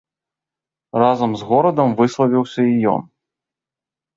Разам з горадам выславіўся і ён.